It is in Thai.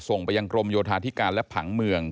ส่งไปยังกรมโยธาธิการและผังเมือง